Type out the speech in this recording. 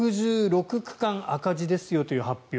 ６６区間赤字ですよという発表。